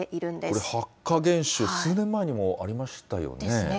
これ、白化現象、数年前にもありましたよね。